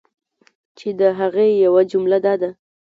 چی د هغی یوه جمله دا ده